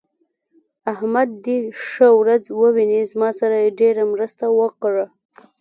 احمد دې ښه ورځ وويني؛ زما سره يې ډېره مرسته وکړه.